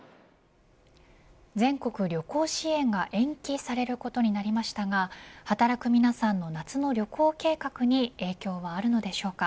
全国旅行支援が延期されることになりましたが働く皆さんの夏の旅行計画に影響はあるのでしょうか。